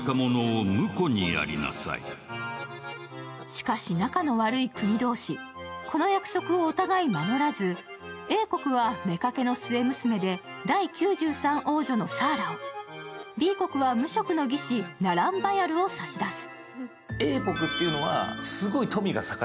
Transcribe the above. しかし仲の悪い国同士、この約束をお互い守らず、Ａ国はめかけの末娘で第９３王女のサーラをＢ国は無職の技師・ナランバヤルを差し出す。